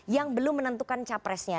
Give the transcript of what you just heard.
yang belum menentukan capresnya